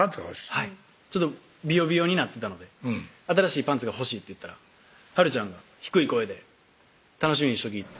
はいびよびよになってたので「新しいパンツが欲しい」って言ったらはるちゃんが低い声で「楽しみにしとき」